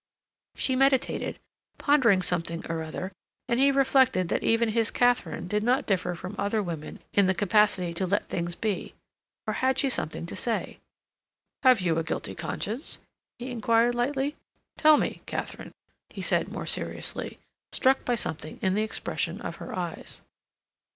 She meditated, pondering something or other, and he reflected that even his Katharine did not differ from other women in the capacity to let things be. Or had she something to say? "Have you a guilty conscience?" he inquired lightly. "Tell me, Katharine," he said more seriously, struck by something in the expression of her eyes.